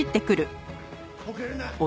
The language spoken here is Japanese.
遅れるな。